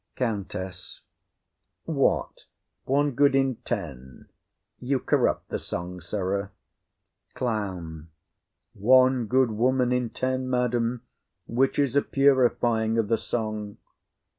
_ COUNTESS. What, one good in ten? You corrupt the song, sirrah. CLOWN. One good woman in ten, madam, which is a purifying o' the song.